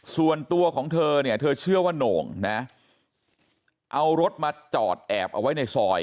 ส่วนตัวของเธอเนี่ยเธอเชื่อว่าโหน่งนะเอารถมาจอดแอบเอาไว้ในซอย